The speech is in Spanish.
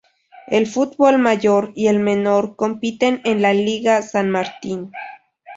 El fútbol mayor y el menor compiten en la Liga San Martín.